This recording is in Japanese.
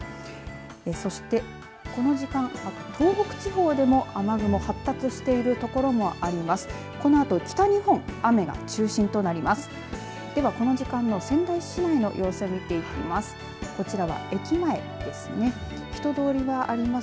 そして、この時間東北地方でも雨雲発達している所があります。